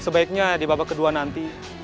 sebaiknya di babak kedua nanti